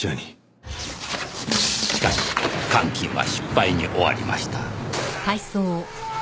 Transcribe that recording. しかし換金は失敗に終わりました。